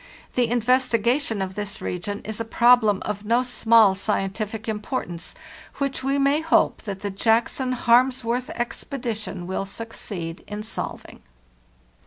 The investigation of this region is a problem of no small scientific importance, which we may hope that the Jackson Harmsworth expedition will succeed in solving.